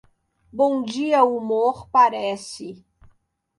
Bom dia humor parece.